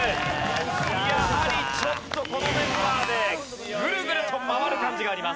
やはりちょっとこのメンバーでグルグルと回る感じがあります。